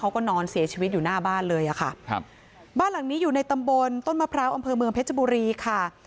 บ้านหลังนี้อยู่ในตำบลต้นมะพร้าวอำเภอเมืองเพชรบุรีค่ะ